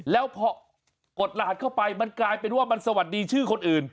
แล้วพอกดรหัสเข้าไปมันกลายเป็นว่ามันสวัสดีชื่อคนอื่น